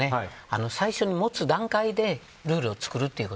最初に持つ段階でルールを作るということ。